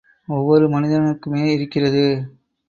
ஒவ்வொரு மனிதனுக்குமே இருக்கிறது!